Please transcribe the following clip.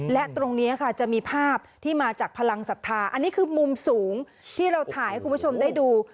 และตรงนี้ค่ะจะมีภาพที่มาจากพลังศรัทธาอันนี้คือมุมสูงที่เราถ่ายให้คุณผู้ชมได้ดู